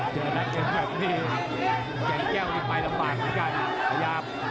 เจอนักเย็นแบบนี้แกงแก้วที่ไปแล้วไปเหมือนกันพยายาม